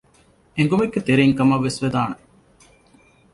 އެނގުމެއްގެ ތެރެއިން ކަމަށް ވެސް ވެދާނެ